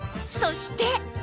そして